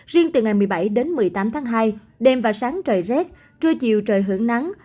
riêng từ ngày một mươi bảy đến một mươi tám tháng hai đêm và sáng trời rét trưa chiều trời hưởng nắng